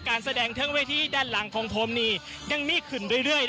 การแสดงเทพเวย์อีทิด้านหลังพองธมนี่ยังมีขึ้นเรื่อย